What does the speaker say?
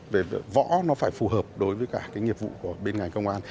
về võ nó phải phù hợp đối với cả cái nghiệp vụ của bên ngành công an